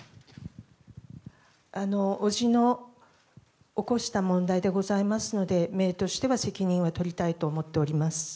叔父の起こした問題でございますのでめいとしては責任は取りたいと思っております。